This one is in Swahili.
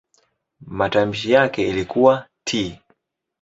Matamshi yake ilikuwa "t".